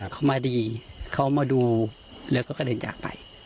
เขามาดีเขามาดูแล้วก็กระเด็นจากไป